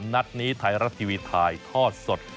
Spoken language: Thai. นัดนี้ไทยรัฐทีวีถ่ายทอดสด